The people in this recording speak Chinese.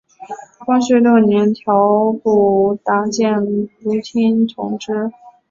光绪六年调补打箭炉厅同知。